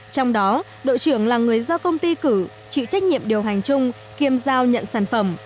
trong đó đội trưởng là người do công ty cử chịu trách nhiệm điều hành chung kiêm giao nhận sản phẩm